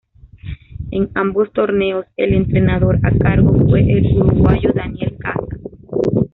En ambos torneos, el entrenador a cargo fue el uruguayo Daniel Casas.